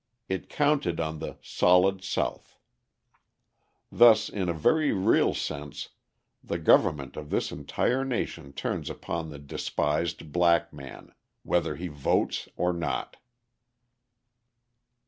It counted on the "Solid South." Thus in a very real sense the government of this entire nation turns upon the despised black man whether he votes or not!